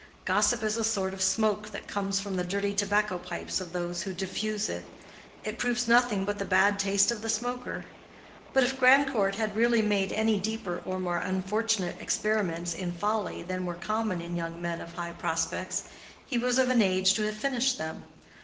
Gossip is a sort of smoke that comes from the dirty tobacco pipes of those who diffuse it: it proves nothing but the bad taste of the smoker. But if Grandcourt had really made any deeper or more unfortunate experiments in folly than were common in young men of high prospects, he was of an age to have finished them.